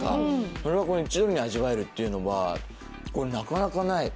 それが一度に味わえるというのは、なかなかない。